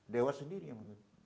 dewa sendiri yang